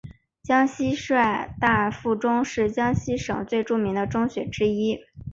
江西师大附中是江西省最著名的中学之一。